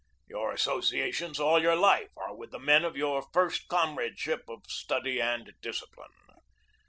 Your associations all your life are with the men of your first comradeship of study and discipline.